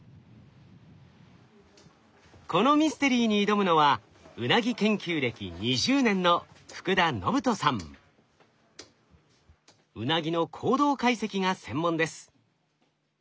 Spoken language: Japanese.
このミステリーに挑むのはウナギ研究歴２０年のウナギの行動解析が専門です。